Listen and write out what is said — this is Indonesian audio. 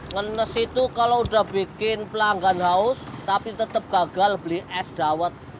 ngenes itu kalau udah bikin pelanggan haus tapi tetap gagal beli es dawet